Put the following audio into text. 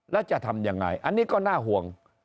แล้วจะทำยังไงอันนี้ก็น่าห่วง